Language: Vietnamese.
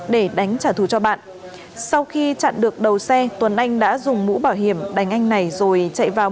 để đánh trả thù cho bạn sau khi chặn được đầu xe tuấn anh đã dùng mũ bảo hiểm đánh anh này rồi chạy vào